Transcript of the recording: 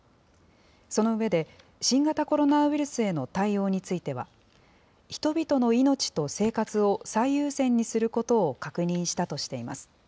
その上で、新型コロナウイルスへの対応については、人々の命と生活を最優先にすることを確認したとしています。